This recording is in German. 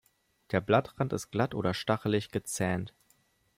Der Blattrand ist glatt oder stachelig-gezähnt.